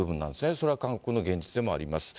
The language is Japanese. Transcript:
それは韓国の現実でもあります。